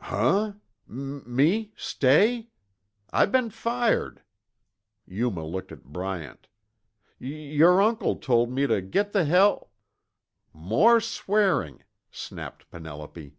"Huh? M me stay? I been fired!" Yuma looked at Bryant. "Y yore uncle told me tuh git the hell " "More swearing," snapped Penelope.